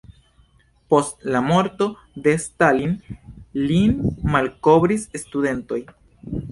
Post la morto de Stalin lin malkovris studentoj.